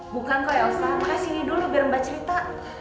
bukan kok elsa makanya sini dulu biar mbak cerita